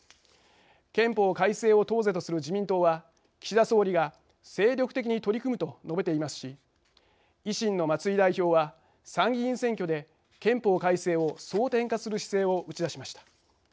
憲法改正を党是とする自民党は岸田総理が「精力的に取り組む」と述べていますし維新の松井代表は参議院選挙で憲法改正を争点化する姿勢を打ち出しました。